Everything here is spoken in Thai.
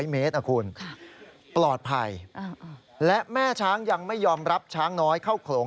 เมตรนะคุณปลอดภัยและแม่ช้างยังไม่ยอมรับช้างน้อยเข้าโขลง